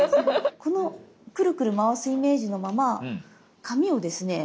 このクルクル回すイメージのまま紙をですね